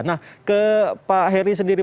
nah ke pak heri sendiri